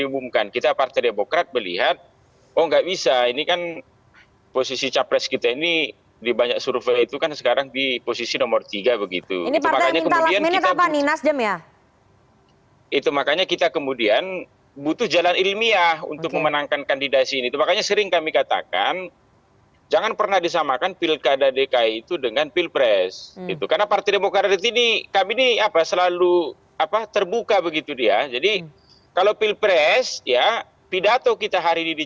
buka komunikasi politik dengan yang lain nih